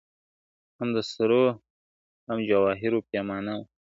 هم د سرو هم جواهرو پیمانه وه ,